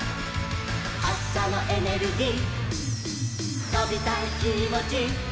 「はっしゃのエネルギー」「とびたいきもち」